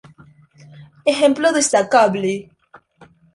Ejemplo destacable.